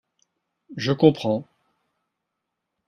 Je comprends.